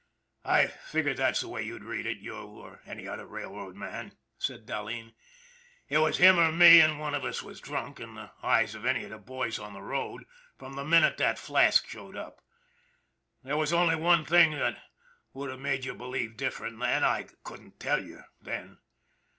" I figured that's the way you'd read it, you or any other railroad man," said Dahleen. " It was him or me and one of us drunk, in the eyes of any of the boys on the road, from the minute that flask showed up. There was only one thing would have made you believe different, and I couldn't tell you then.